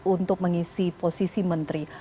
untuk mengisi posisi menteri